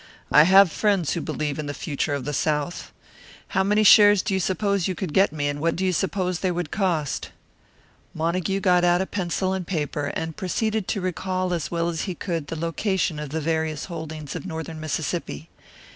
I have friends who believe in the future of the South. How many shares do you suppose you could get me, and what do you suppose they would cost?" Montague got out a pencil and paper, and proceeded to recall as well as he could the location of the various holdings of Northern Mississippi.